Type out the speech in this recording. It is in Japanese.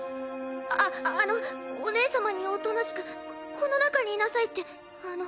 ああのお姉様におとなしくここの中にいなさいってあの。